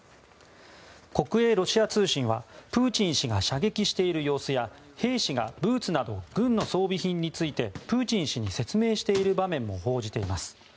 国営ロシア通信はプーチン氏が射撃している様子や兵士がブーツなど軍の装備品についてプーチン氏に説明している場面も報じています。